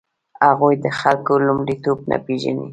هغوی د خلکو لومړیتوب نه پېژني.